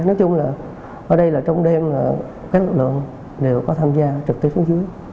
nói chung là ở đây là trong đêm các lực lượng đều có tham gia trực tiếp xuống dưới